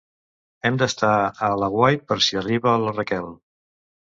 Hem d'estar a l'aguait per si arriba la Raquel.